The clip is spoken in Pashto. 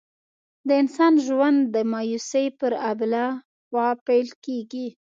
د انسان ژوند د مایوسۍ پر آبله خوا پیل کېږي.